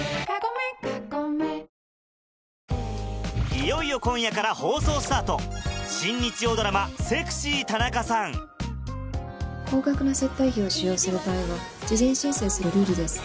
いよいよ今夜から放送スタート高額な接待費を使用する場合は事前申請するルールです。